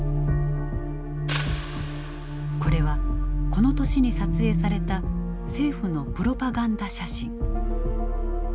これはこの年に撮影された政府のプロパガンダ写真。